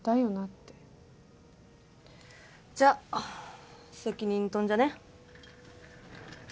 ってじゃあ責任取んじゃね？